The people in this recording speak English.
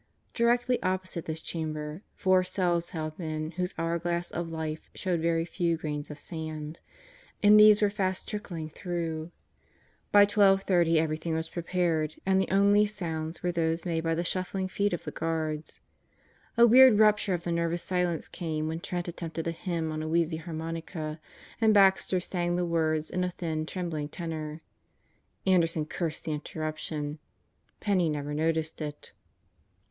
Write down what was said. Directly opposite this chamber, four cells held men whose hourglass of life showed very few grains of sand and these were fast trickling through. By twelve thirty everything was prepared and the only sounds were those made by the shuffling feet of the guards. A weird rupture of the nervous silence came when Trent Last Day on Earth 201 attempted a hymn on a wheezy harmonica and Baxter sang the words in a thin, trembling tenor. Anderson cursed the interrup tion. Penney never noticed it.